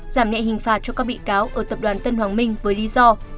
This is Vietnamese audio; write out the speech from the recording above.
giảm nhẹ hình phạt cho các bị cáo ở tập đoàn tân hoàng minh với lý do